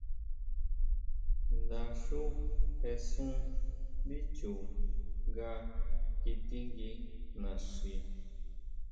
Nda xú jesun ndí chu nga kitingui naxi.